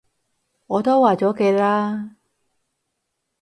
我都話咗嘅啦